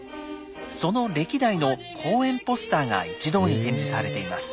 その歴代の公演ポスターが一堂に展示されています。